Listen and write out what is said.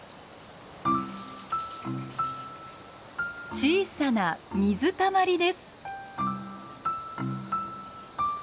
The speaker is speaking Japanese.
小さな水たまりです。